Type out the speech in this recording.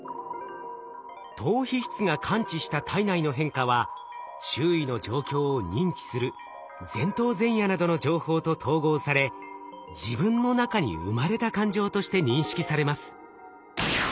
島皮質が感知した体内の変化は周囲の状況を認知する前頭前野などの情報と統合され自分の中に生まれた感情として認識されます。